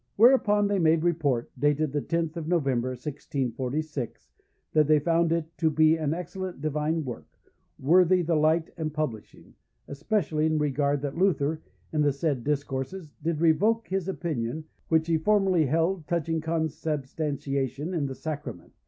"Whereupon they made report, dated the 10th of November, 1646, that they found it to be an excellent Divine Work, worthy the light and publishing, especially in regard that Luther, in the said Discourses, did revoke his opinion, which he formerly held, touching Consubstantiation in the Sacrament.